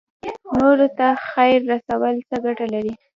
نورو ته خیر رسول څه ګټه لري؟